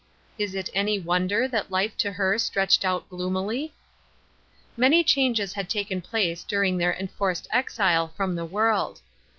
Is it any wonder that life to her stretched out gloomily ? Many changes had taken place during theii Rests, 283 enforced exile from the world.